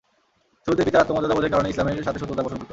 শুরুতে পিতার আত্মমর্যাদা বোধের কারণে ইসলামের সাথে শত্রুতা পোষণ করত।